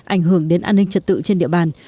ảnh hưởng đến an ninh trật tự trên địa bàn